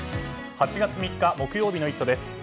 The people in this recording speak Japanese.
８月３日、木曜日の「イット！」です。